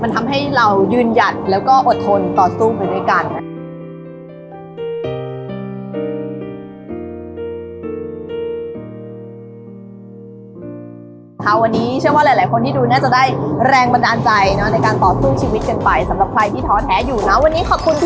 มันทำให้เรายืนหยัดแล้วก็อดทนต่อสู้ไปด้วยกัน